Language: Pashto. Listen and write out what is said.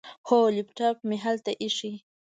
هو، لیپټاپ مې هلته ایښی.